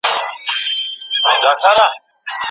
د بیوزلۍ کمولو لپاره هڅې اړینې دي.